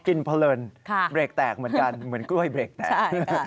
กินเพลินเบรกแตกเหมือนกล้วยเบรกแตก